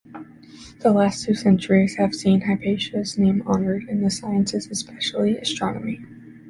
The last two centuries have seen Hypatia's name honored in the sciences, especially astronomy.